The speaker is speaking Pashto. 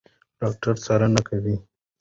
ډاکټره څارنه کوي.